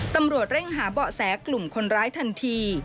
ตำรวจเร่งหาเบาะแสกลุ่มคนร้ายทันที